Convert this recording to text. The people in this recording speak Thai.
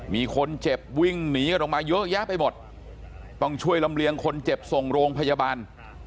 มีคนเจ็บวิ่งหนีกันออกมาเยอะแยะไปหมดต้องช่วยลำเลียงคนเจ็บส่งโรงพยาบาล